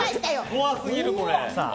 怖すぎる、これ。